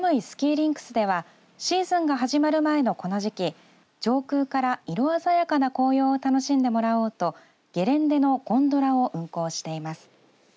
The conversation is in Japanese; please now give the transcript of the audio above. リンクスではシーズンが始まる前のこの時期上空から色鮮やかな紅葉を楽しんでもらおうとゲレンデのゴンドラを運行しています。